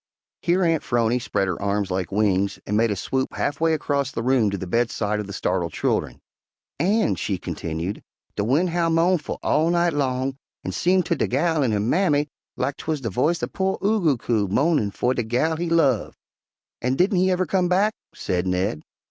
Here Aunt 'Phrony spread her arms like wings and made a swoop half way across the room to the bedside of the startled children. "An'," she continued, "de wind howl mo'nful all night long, an' seem ter de gal an' her mammy lak 'twuz de voice of po' Oo goo coo mo'nin' fer de gal he love." "And didn't he ever come back?" said Ned.